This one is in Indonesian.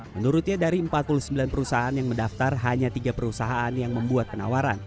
menurutnya dari empat puluh sembilan perusahaan yang mendaftar hanya tiga perusahaan yang membuat penawaran